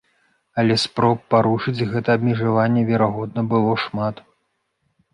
Але спроб парушыць гэтае абмежаванне, верагодна, было шмат.